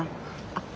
あっ。